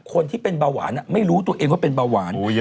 คนที่เป็นเบาหวานไม่รู้ตัวเองว่าเป็นเบาหวาน